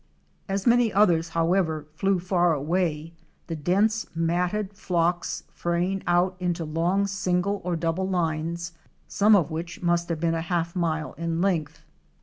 As many others however flew far away, the dense matted flocks fraying out into long single or double lines, some of which must have been a half mile in length.